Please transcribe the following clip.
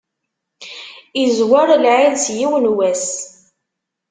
Izwer lɛid s yiwen wass.